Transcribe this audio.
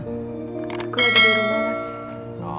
aku lagi di rumah mas